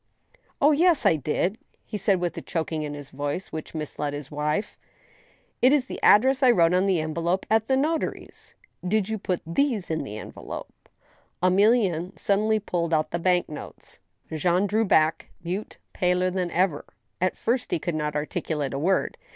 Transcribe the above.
"" Oh, ye^, I did !" he said, with a choking in his voice, which misled his wife ;" it is the address I wrote on the envelope at the notary's." " Did you put these in the envelope ?" Emilienne suddenly pulled out the bank notes, Jean drew back mute, paler than ever. At first he could not articulate a word.